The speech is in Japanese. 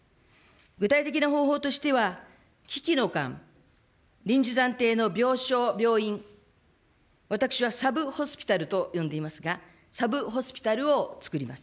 具体的な方法としては、危機の間、臨時暫定の病床、病院、私はサブホスピタルと呼んでいますが、サブホスピタルを作ります。